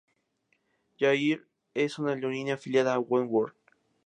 J-Air es una aerolínea afiliada de Oneworld.